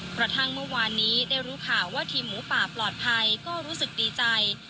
กระทั่งเมื่อวานนี้ได้รู้ข่าวว่าทีมหมูป่าปลอดภัยก็รู้สึกดีใจ